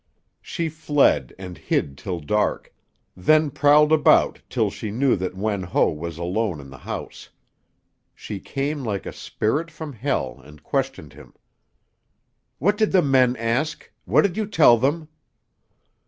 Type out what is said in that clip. She fled and hid till dark, then prowled about till she knew that Wen Ho was alone in the house. She came like a spirit from hell and questioned him. "What did the men ask? What did you tell them?"